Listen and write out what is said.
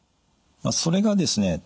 それがですね